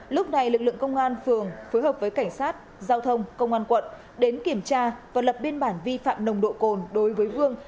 lúc này lực lượng công an phường phối hợp với cảnh sát giao thông công an quận đến kiểm tra và lập biên bản vi phạm nồng độ cồn đối với vương